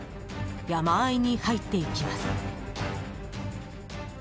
山あいに入っていきます。